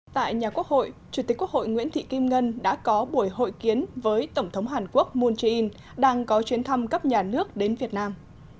tại nhà quốc hội chủ tịch quốc hội nguyễn thị kim ngân đã có buổi hội kiến với tổng thống hàn quốc moon jae in đang có chuyến thăm cấp nhà nước đến việt nam